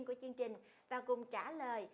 của chương trình và cùng trả lời